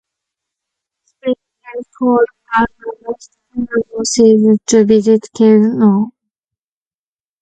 Spring and fall are the most favorable seasons to visit Cave Knoll.